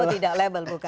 oh tidak label bukan